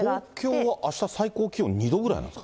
東京はあした、最高気温２度ぐらいなんですか？